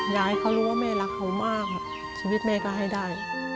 อยากให้เขารู้ว่าแม่รักเขามากชีวิตแม่ก็ให้ได้